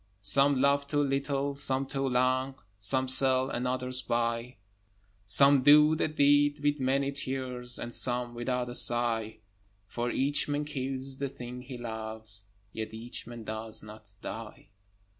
Some love too little, some too long, Some sell, and others buy; Some do the deed with many tears, And some without a sigh: For each man kills the thing he loves, Yet each man does not die.